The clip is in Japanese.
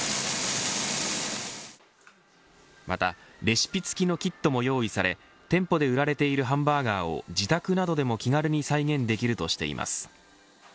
またレシピ付きのキットが用意され店舗で売られているハンバーガーを自宅などでも気軽に再現できるとしています。